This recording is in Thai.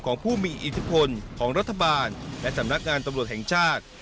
ของผู้มีอิทธิพลของรัฐบาลและสำนักงานตำรวจแห่งชาติ